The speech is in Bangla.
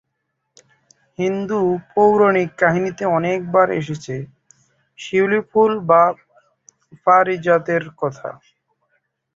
হিন্দু পৌরাণিক কাহিনীতে অনেক বার এসেছে শিউলি ফুল বা পারিজাত এর কথা।